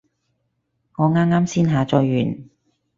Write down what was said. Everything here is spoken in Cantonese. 我啱啱先下載完